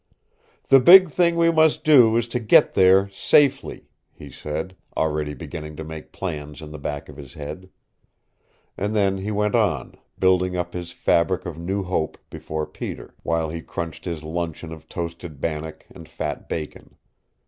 "The big thing we must do is to get there safely," he said, already beginning to make plans in the back of his head. And then he went on, building up his fabric of new hope before Peter, while he crunched his luncheon of toasted bannock and fat bacon.